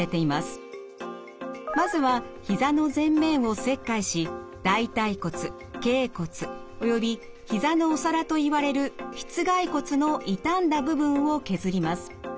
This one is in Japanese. まずはひざの前面を切開し大腿骨けい骨およびひざのお皿といわれるしつ蓋骨の傷んだ部分を削ります。